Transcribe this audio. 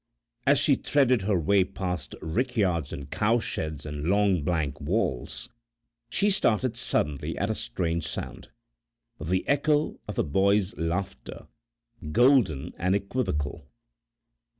As she threaded her way past rickyards and cowsheds and long blank walls, she started suddenly at a strange sound the echo of a boy's laughter, golden and equivocal.